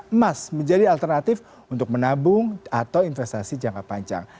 emas menjadi alternatif untuk menabung atau investasi jangka panjang